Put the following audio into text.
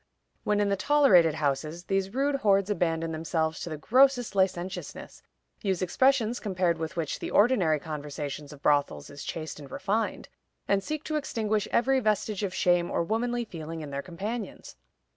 When in the tolerated houses, these rude hordes abandon themselves to the grossest licentiousness, use expressions compared with which the ordinary conversation of brothels is chaste and refined, and seek to extinguish every vestige of shame or womanly feeling in their companions.